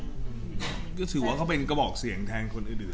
อยู่ถึงว่าเขาเป็นกระบอกเสียงแทนคนอื่ดเนอะ